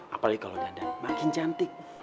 apalagi kalau dada makin cantik